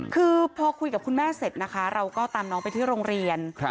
คือพอคุยกับคุณแม่เสร็จนะคะเราก็ตามน้องไปที่โรงเรียน